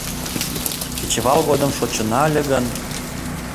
Кечывал годым шочына ыле гын